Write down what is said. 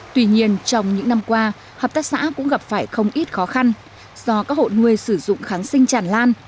tuy nhiên trong những năm qua hợp tác xã cũng gặp phải không ít khó khăn do các hộ nuôi sử dụng kháng sinh tràn lan